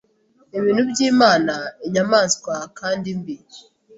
Ibintu by'Imana inyamanswa kandi mbi